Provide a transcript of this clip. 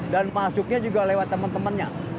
dan masuknya juga lewat teman temannya